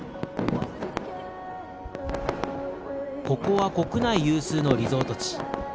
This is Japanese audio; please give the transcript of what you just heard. ここは国内有数のリゾート地。